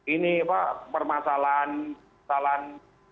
ini pak permasalahan